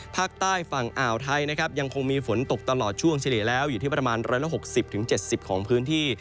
ภาคใต้ฝั่งอ่าวไทยนะครับยังคงมีฝนตกตลอดช่วงเฉลี่ยแล้วอยู่ที่ประมาณ๑๖๐๗๐ของพื้นที่